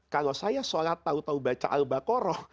kalau saya sholat tau tau baca al baqarah